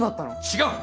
違う！